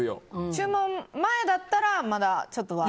注文前だったら、まだあり。